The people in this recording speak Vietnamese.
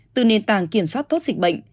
từ nền tảng kiểm soát tốt dịch bệnh